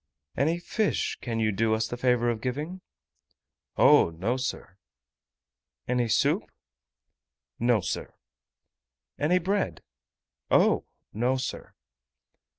"Any fish can you do us the favour of giving ?" "Oh! no, sir." "Any soup?" "No, sir." "Any bread?" "Oh! no, sir."